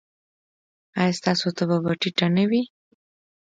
ایا ستاسو تبه به ټیټه نه وي؟